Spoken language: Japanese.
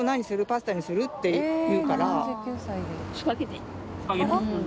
パスタにする？」って言うから。